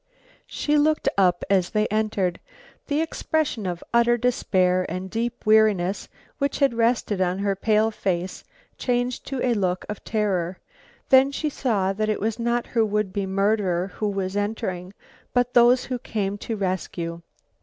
She looked up as they entered. The expression of utter despair and deep weariness which had rested on her pale face changed to a look of terror; then she saw that it was not her would be murderer who was entering, but those who came to rescue.